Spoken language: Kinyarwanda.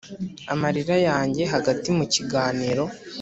amarira yanjye hagati mu kiganiro